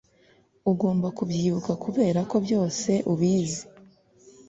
ugomba kubyibuka kubera ko byose ubizi